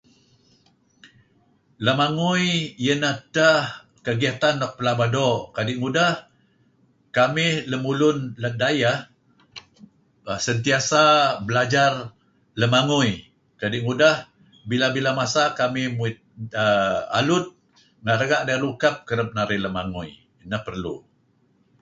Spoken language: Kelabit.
Lemangui ieh ineh edteh kegiatan nuk pelaba doo. Kadi' ngudeh kamih lemulun let dayeh sentiasa belajar lemangui. Kadi' ngudeh, bila-bila masa kamih muit err... alud, renga' narih lukeb kereb narih lemangui. Neh perlu.